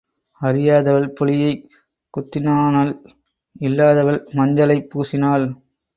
அறியாதவள் புளியைக் குத்தினானள், இல்லாதவள் மஞ்சளைப் பூசினாள்.